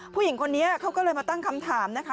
ผู้หญิงคนนี้เขาก็เลยมาตั้งคำถามนะคะ